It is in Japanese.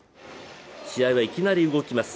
試合はいきなり動きます。